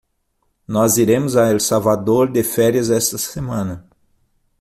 Nós iremos a El Salvador de férias esta semana.